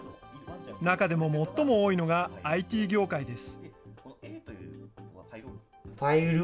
中でも最も多いのがＩＴ業界です。